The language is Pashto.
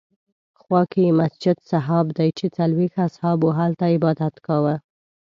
خوا کې یې مسجد صحابه دی چې څلوېښت اصحابو هلته عبادت کاوه.